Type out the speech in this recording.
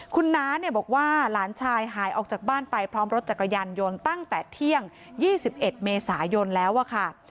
คุณน้าเนี่ยบอกว่าหลานชายหายออกจากบ้านไปพร้อมรถจักรยานยนต์ตั้งแต่เที่ยง๒๑เมษายนแล้วอะค่ะ